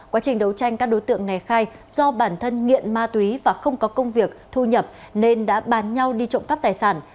quá trình đấu tranh các đối tượng này khai do bản thân nghiện ma túy và không có công việc thu nhập nên đã bán nhau đi trộm cắp tài sản